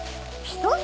人？